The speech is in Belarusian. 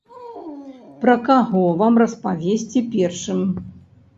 Пра каго вам распавесці першым?